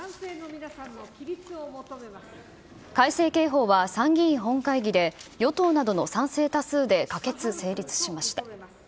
改正刑法は参議院本会議で、与党などの賛成多数で可決・成立しました。